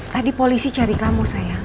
tadi polisi cari kamu